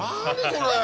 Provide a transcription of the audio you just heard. これ。